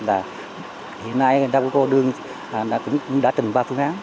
nhưng mà hiện nay đa bộ cô đương cũng đã trình ba phương án